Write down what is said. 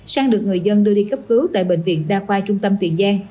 sang được người dân đưa đi khắp cứu tại bệnh viện đa khoai trung tâm tiền giang